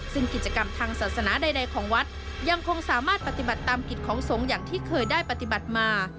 ซึ่งกิจกรรมทางศาสนาใดของวัดยังคงสามารถปฏิบัติตามกิจของสงฆ์อย่างที่เคยได้ปฏิบัติมา